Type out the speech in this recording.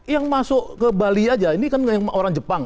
yang masuk ke bali aja ini kan orang jepang